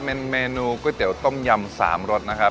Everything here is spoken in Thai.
เป็นเมนูก๋วยเตี๋ยวต้มยำ๓รสนะครับ